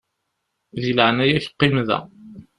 Di leɛnaya-k qqim da.